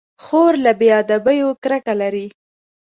خور له بې ادبيو کرکه لري.